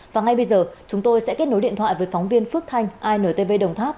và ngay bây giờ chúng tôi sẽ kết nối điện thoại với phóng viên phước thanh intv đồng tháp